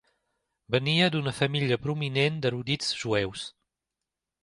Venia d'una família prominent d'erudits jueus.